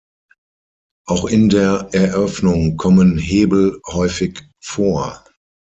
Auch in der Eröffnung kommen Hebel häufig vor.